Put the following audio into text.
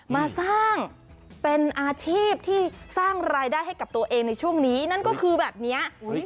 มาสร้างเป็นอาชีพที่สร้างรายได้ให้กับตัวเองในช่วงนี้นั่นก็คือแบบนี้